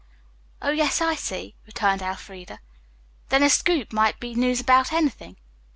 "Oh, yes, I see," returned Elfreda. "Then a scoop might be news about anything."